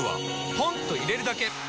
ポンと入れるだけ！